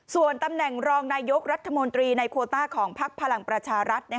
ส่วนตำแหน่งรองนายกรัฐมนตรีในโคต้าของพักพลังประชารัฐ